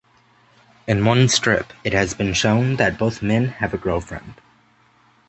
In one strip, it has been shown that both men have a girlfriend.